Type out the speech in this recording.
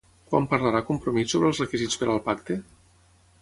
Quan parlarà Compromís sobre els requisits per al pacte?